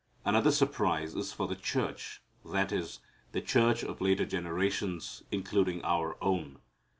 Another surprise is for the church, that is, the church of later generations, including our own.